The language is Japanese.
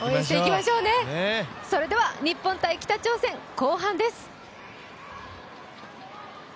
それでは日本×北朝鮮後半です。